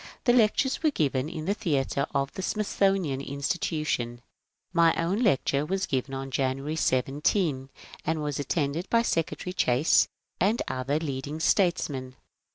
The lectures were given in the theatre of the Smithsonian Insti tution. My own lecture was given on January 17, and was attended by Secretary Chase and other leading statesmen.